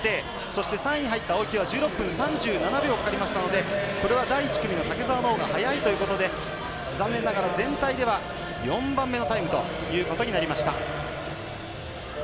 そして３位に入った青木は１６分３７秒かかりましたのでこれは第１組の竹澤のほうが速いということで残念ながら、全体では４番目のタイムということになりました。